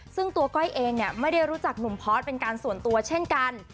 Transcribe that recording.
ซึ่งตัวก้อยเองไม่ได้รู้จักหนุ่มพอร์ตเป็นการส่วนตัวเช่นกัน